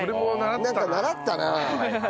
なんか習ったな。